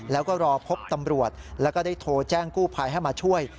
แล้วก็รอพบตำรวจแล้วก็ได้โทรแจ้งกู้ภัยให้มาช่วย